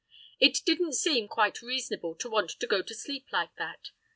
It didn't seem quite reasonable to want to go to sleep like that.